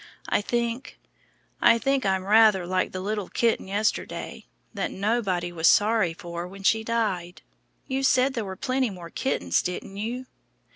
I think I think I'm rather like the little kitten yesterday, that nobody was sorry for when she died. You said there were plenty more kittens, didn't you?"